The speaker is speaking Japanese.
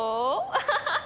アハハハ！